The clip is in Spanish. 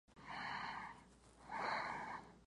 Interpretó al asesino en serie John Wayne Gacy en "Dear Mr.